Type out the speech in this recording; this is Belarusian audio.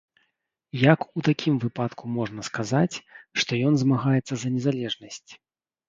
Як у такім выпадку можна сказаць, што ён змагаецца за незалежнасць?